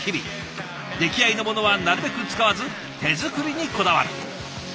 出来合いのものはなるべく使わず手作りにこだわる。